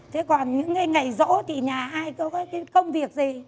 thế còn những ngày rỗ thì nhà ai có cái công việc gì